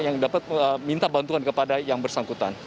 yang dapat minta bantuan kepada yang bersangkutan